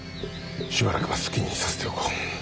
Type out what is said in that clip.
しばらくは好きにさせておこう。